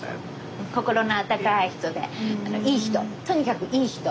心のあったかい人でいい人とにかくいい人。